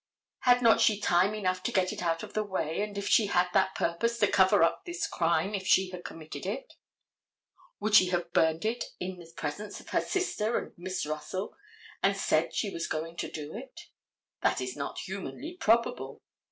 Had not she time enough to get it out of the way, and if she had that purpose to cover up this crime, if she had committed it, would she have burned it in the presence of her sister and Miss Russell and said she was going to do it? That is not humanly probable.